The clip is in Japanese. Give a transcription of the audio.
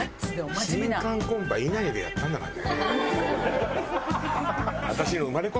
新歓コンパ稲毛でやったんだからね。